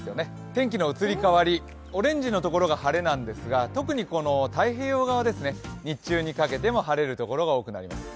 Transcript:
天気の移り変わり、オレンジのところが晴れなんですが特に太平洋側ですね、日中にかけても晴れるところが多くなります。